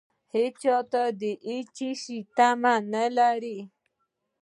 هېڅکله چاته د هېڅ شي تمه مه لرئ.